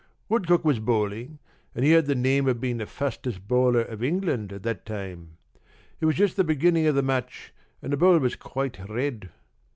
Woodcock was bowling, and he had the name of being the fastest bowler of England at that time. It was just the beginning of the match and the ball was quite red.